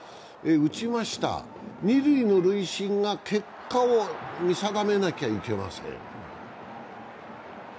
打ちました、二塁の塁審が結果を見定めなきゃいけません。